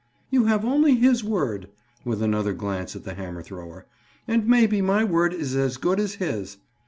"You have only his word," with another glance at the hammer thrower, "and maybe my word is as good as his."